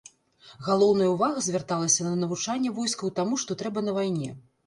Галоўная ўвага звярталася на навучанне войскаў таму, што трэба на вайне.